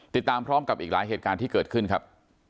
ติดตามพร้อมกับอีกหลายเหตุการณ์ที่เกิดขึ้นครับ